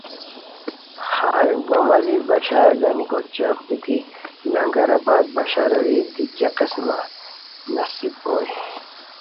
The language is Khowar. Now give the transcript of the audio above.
خائے وا مزید بشارگانیکو چق بیتی لنگر آباد بشار اریر دی کیہ قسمہ نصیب بوئے